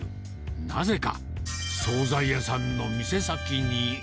なぜか総菜屋さんの店先に。